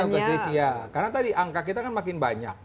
nah causation ya karena tadi angka kita kan makin banyak